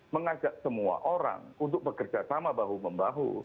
mengajak semua orang untuk bekerja sama bahu membahu